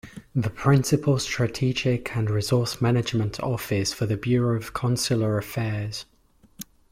The principal strategic and resource management office for the Bureau of Consular Affairs.